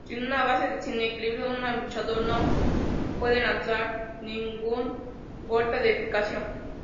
Sin una base, sin equilibrio, un luchador no puede lanzar ningún golpe con eficacia.